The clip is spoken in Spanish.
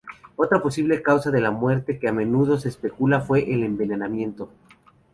Otra posible causa de la muerte, que a menudo se especula, fue el envenenamiento.